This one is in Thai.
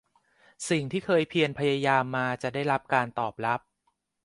สิ่งที่เคยเพียรพยายามมาจะได้การตอบรับ